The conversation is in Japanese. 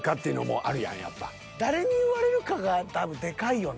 誰に言われるかが多分でかいよな。